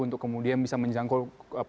untuk kemudian bisa menjangkau